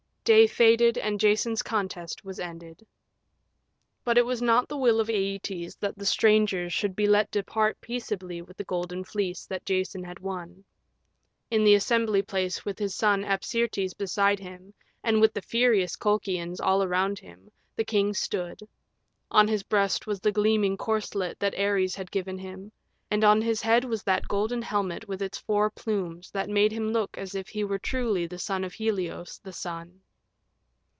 Day faded, and Jason's contest was ended. But it was not the will of Æetes that the strangers should be let depart peaceably with the Golden Fleece that Jason had won. In the assembly place, with his son Apsyrtus beside him, and with the furious Colchians all around him, the king stood: on his breast was the gleaming corselet that Ares had given him, and on his head was that golden helmet with its four plumes that made him look as if he were truly the son of Helios, the Sun.